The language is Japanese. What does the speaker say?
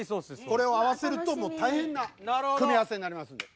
これを合わせると大変な組み合わせになりますんで。